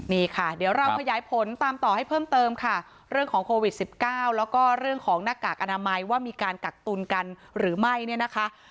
นี่ค่ะเดี๋ยวเราขยายผลตามต่อให้เพิ่มเติมค่ะเรื่องของโควิด๑๙แล้วก็เรื่องของหน้ากากอนามัยว่ามีการกักตุลกันหรือไม่เนี่ยนะคะ